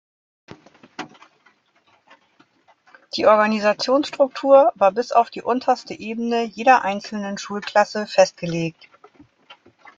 Die Organisationsstruktur war bis auf die unterste Ebene jeder einzelnen Schulklasse festgelegt.